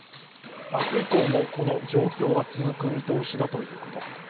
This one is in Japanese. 明日以降も、この状況は続く見通しだということ。